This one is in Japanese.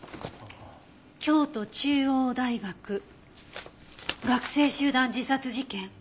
「京都中央大学」「学生集団自殺事件」？